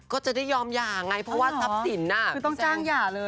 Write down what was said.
ก็จะได้ยอมหย่าไงเพราะว่าทรัพย์สินคือต้องจ้างหย่าเลย